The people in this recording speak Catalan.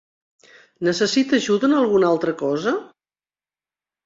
Necessita ajuda en alguna altra cosa?